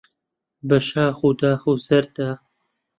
بە شاخ و داخ و زەردا